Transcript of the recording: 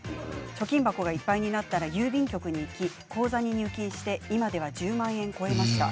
貯金箱がいっぱいになったら郵便局に行き口座に入金して今では１０万円を超えました。